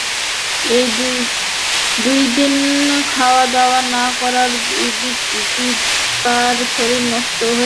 দুই দিন খাওয়াদাওয়া না-করায় দিপার শরীর নষ্ট হয়ে গিয়েছিল।